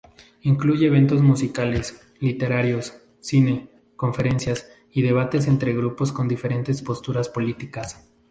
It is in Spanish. Incluye eventos musicales, literarios, cine, conferencias y debates entre grupos con diferentes posturas políticas.